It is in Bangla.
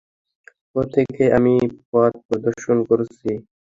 প্রত্যেককেই আমি পথ প্রদর্শন করেছি।